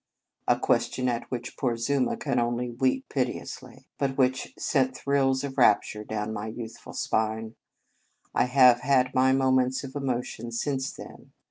" a question at which poor Zuma can only weep piteously, but which sent thrills of rap ture down my youthful spine. I have had my moments of emotion since then.